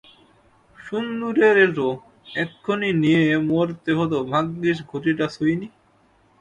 শূন্দুরের এটো, এখখনি নেয়ে মরতে হোতভাগ্যিস ঘটিটা ছুইনি।